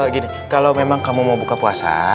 gini kalau memang kamu mau buka puasa